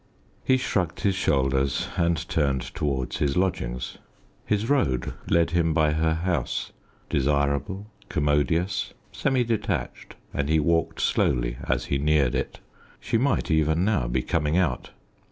He shrugged his shoulders and turned towards his lodgings. His road led him by her house desirable, commodious, semi detached and he walked slowly as he neared it. She might, even now, be coming out.